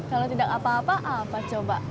kalau tidak apa apa apa coba